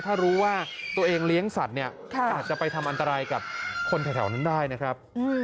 ถ้ารู้ว่าตัวเองเลี้ยงสัตว์เนี่ยอาจจะไปทำอันตรายกับคนแถวนั้นได้นะครับ